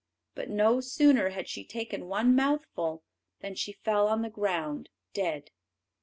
But no sooner had she taken one mouthful than she fell on the ground dead.